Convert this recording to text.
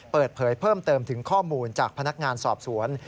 เปิดเผยเพิ่มเติมถึงข้อมูลจากพนักงานสอบสวน